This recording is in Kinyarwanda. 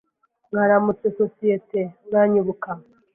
Mwaramutse societe, uranyibuka?